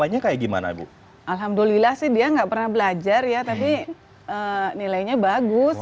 lainnya kayak gimana bu alhamdulillah sih dia nggak pernah belajar ya tapi nilainya bagus